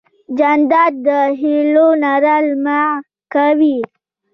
جانداد د هېلو رڼا لمع کوي.